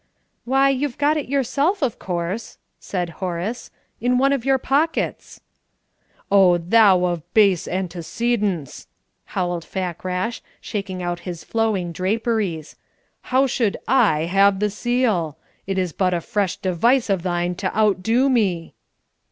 "Why, you've got it yourself, of course," said Horace, "in one of your pockets." "O thou of base antecedents!" howled Fakrash, shaking out his flowing draperies. "How should I have the seal? This is but a fresh device of thine to undo me!"